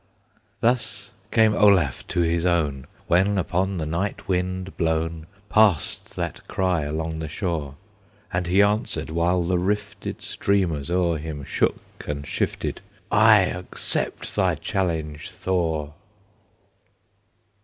Thus came Olaf to his own, When upon the night wind blown Passed that cry along the shore; And he answered, while the rifted Streamers o'er him shook and shifted, "I accept thy challenge, Thor!"